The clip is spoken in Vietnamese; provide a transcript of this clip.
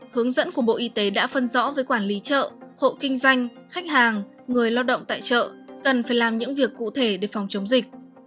hướng dẫn của bộ y tế đã phân rõ với quản lý chợ hộ kinh doanh khách hàng người lao động tại chợ cần phải làm những việc cụ thể để phòng chống dịch